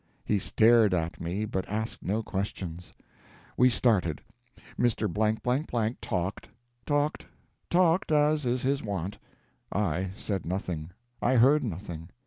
He stared at me, but asked no questions. We started. Mr. talked, talked, talked as is his wont. I said nothing; I heard nothing.